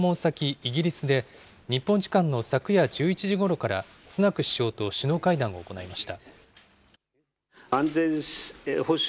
イギリスで、日本時間の昨夜１１時ごろから、スナク首相と首脳会談を行いました。